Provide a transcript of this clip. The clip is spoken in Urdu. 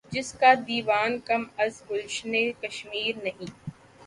جس کا دیوان کم از گلشنِ کشمیر نہیں